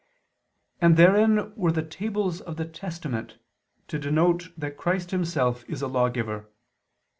And therein were the tables of the Testament, to denote that Christ Himself is a lawgiver.